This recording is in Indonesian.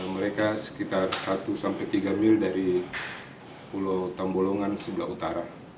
mereka sekitar satu sampai tiga mil dari pulau tambolongan sebelah utara